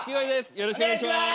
よろしくお願いします。